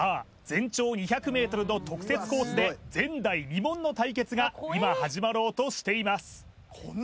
全長２００ｍの特設コースで前代未聞の対決が今始まろうとしています